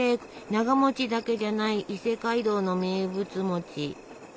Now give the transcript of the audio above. ながだけじゃない伊勢街道の名物。